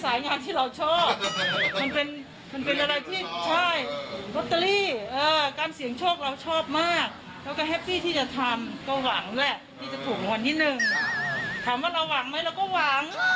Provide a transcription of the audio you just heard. ถามว่าเราหวังไหมเราก็หวัง